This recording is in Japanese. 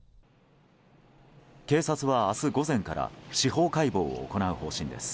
警察は、明日午前から司法解剖を行う方針です。